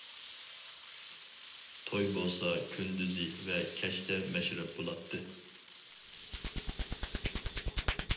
توي بولسا كۈندۈزى ۋە كەچتە مەشرەپ بۇلاتتى.